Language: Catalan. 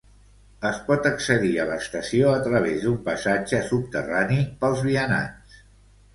Es pot accedir a l'estació a través d'un passatge subterrani pels vianants.